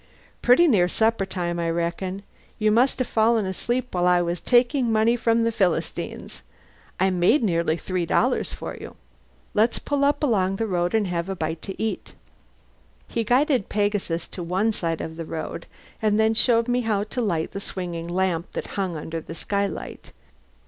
"Pretty near supper time, I reckon. You must have fallen asleep while I was taking money from the Philistines. I made nearly three dollars for you. Let's pull up along the road and have a bite to eat." He guided Pegasus to one side of the road, and then showed me how to light the swinging lamp that hung under the skylight.